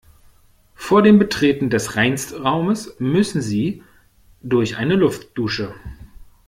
Vor dem Betreten des Reinstraumes müssen Sie durch eine Luftdusche.